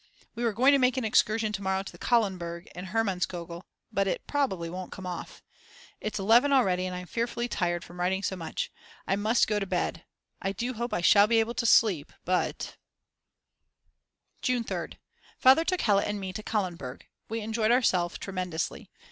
We were going to make an excursion to morrow to Kahlenberg and Hermannskogel, but probably it won't come off. Its 11 already and I'm fearfully tired from writing so much; I must go to bed. I do hope I Shall be able to sleep, but June 3rd. Father took Hella and me to Kahlenberg; we enjoyed ourselves tremendously.